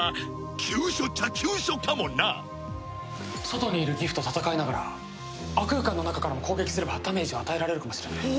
外にいるギフと戦いながら亜空間の中からも攻撃すればダメージを与えられるかもしれない。